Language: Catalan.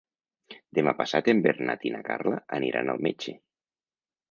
Demà passat en Bernat i na Carla aniran al metge.